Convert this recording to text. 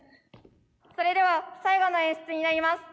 それでは最後の演出になります。